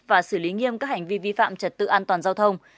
và xử lý nghiêm các hành vi vi phạm trật tự an toàn giao thông